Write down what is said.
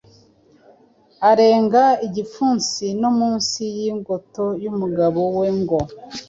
arega igipfunsi no munsi y’ingoto y’umugabo we ngo: